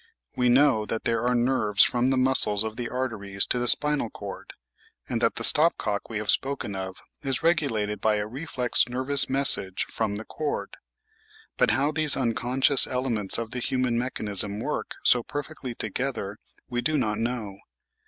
We know that there are nerves from the muscles of the arteries to the spinal cord, and that the stop cock we have spoken of is regulated by a reflex nervous message from the cord ; but how these unconscious elements of the human mechanism work so perfectly together we do not know.